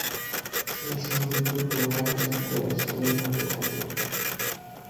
সেই সঙ্গে দ্রুত হাইড্রোজেন গ্যাস বের হতে থাকে।